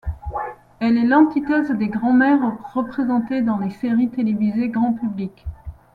Elle est l'antithèse des grands-mères représentées dans les séries télévisées grand public.